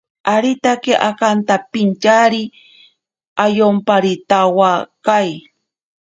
Aritake akantapintyari ayomparitawakai.